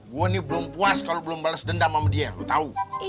gue nih belum puas kalau belum bales dendam sama dia lo tau